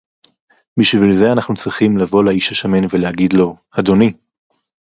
בשביל זה אנחנו צריכים לבוא לאיש השמן ולהגיד לו: אדוני